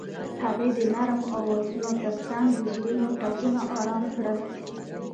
هغې د نرم اوازونو ترڅنګ د زړونو ټپونه آرام کړل.